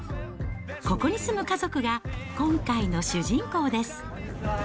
ここに住む家族が今回の主人公です。